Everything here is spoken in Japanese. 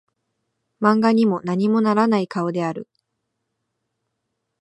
漫画にも何もならない顔である